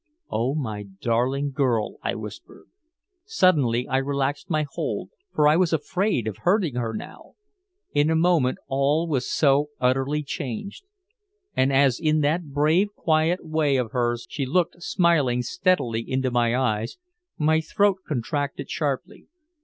"Oh, my darling girl," I whispered. Suddenly I relaxed my hold, for I was afraid of hurting her now. In a moment all was so utterly changed. And as in that brave, quiet way of hers she looked smiling steadily into my eyes, my throat contracted sharply.